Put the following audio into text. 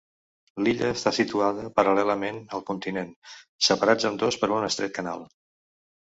L'illa està situada paral·lelament al continent, separats ambdós per un estret canal.